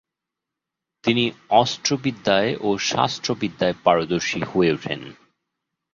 তিনি অস্ত্রবিদ্যায় ও শাস্ত্রবিদ্যায় পারদর্শী হয়ে উঠেন।